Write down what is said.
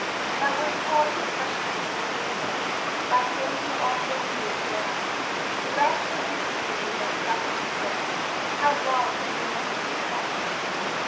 Thou wert called in the freshness of morning away, By him who all things doeth well; The rest for brief periods are suffered to stay, How long, we may none of us tell.